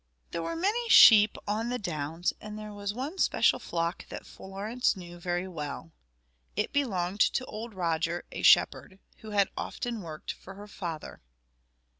There were many sheep on the downs, and there was one special flock that Florence knew very well. It belonged to old Roger, a shepherd, who had often worked for her father.